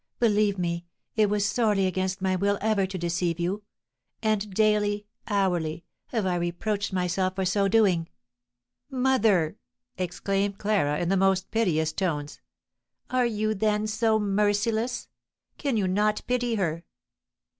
"Believe me, it was sorely against my will ever to deceive you; and daily, hourly, have I reproached myself for so doing." "Mother," exclaimed Clara, in the most piteous tones, "are you then so merciless? Can you not pity her?"